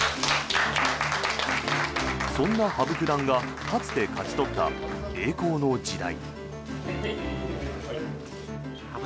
そんな羽生九段がかつて勝ち取った栄光の時代。